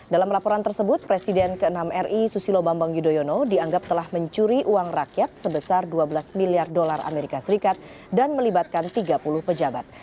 dalam laporan tersebut presiden ke enam ri susilo bambang yudhoyono dianggap telah mencuri uang rakyat sebesar dua belas miliar dolar as dan melibatkan tiga puluh pejabat